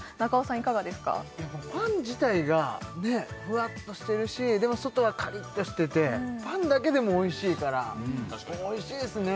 いかがですかパン自体がフワッとしてるしでも外はカリッとしててパンだけでもおいしいからおいしいですね